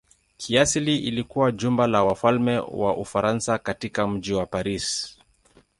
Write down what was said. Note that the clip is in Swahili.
Kiasili ilikuwa jumba la wafalme wa Ufaransa katika mji wa Paris.